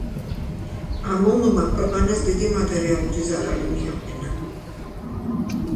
ამ ომმა ქვეყანას დიდი მატერიალური ზარალი მიაყენა.